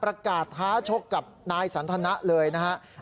ประกาศท้าชกกับนายสันธนะเลยนะครับ